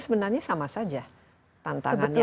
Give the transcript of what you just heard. sebenarnya sama saja tantangannya